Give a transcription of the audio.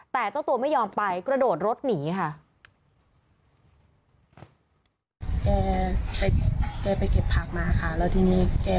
แต่เจ้าตัวไม่ยอมไปกระโดดรถหนีค่ะ